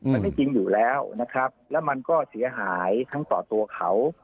มันไม่จริงอยู่แล้วนะครับแล้วมันก็เสียหายทั้งต่อตัวเขา